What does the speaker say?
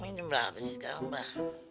umi jam berapa sih sekarang pak